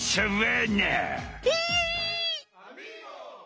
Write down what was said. え！